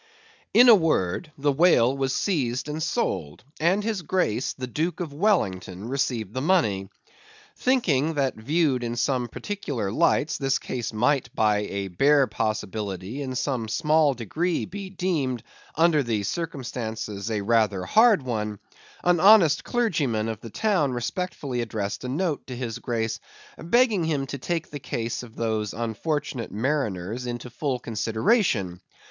In a word, the whale was seized and sold, and his Grace the Duke of Wellington received the money. Thinking that viewed in some particular lights, the case might by a bare possibility in some small degree be deemed, under the circumstances, a rather hard one, an honest clergyman of the town respectfully addressed a note to his Grace, begging him to take the case of those unfortunate mariners into full consideration.